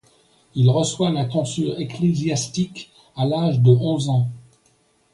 Il reçoit la tonsure ecclésiastique à l'âge de onze ans.